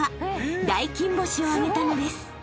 ［大金星を挙げたのです］